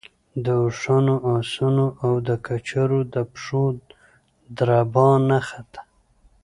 د اوښانو، آسونو او د کچرو د پښو دربا نه خته.